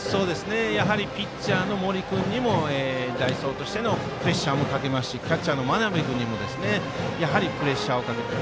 やはりピッチャーの森君にも代走としてのプレッシャーもかけますしキャッチャーの真鍋君にもプレッシャーをかける。